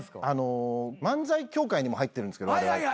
漫才協会にも入ってるんですけどわれわれ。